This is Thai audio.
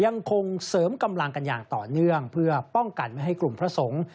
ยังคงเสริมกำลังกันอย่างต่อเนื่องเพื่อป้องกันไม่ให้กลุ่มพระสงฆ์